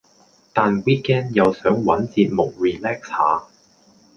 但 weekend 又想搵節目 relax 下